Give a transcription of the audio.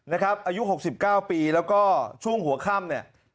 อายุ๖๙ปีแล้วก็ช่วงหัวค่ำเนี่ย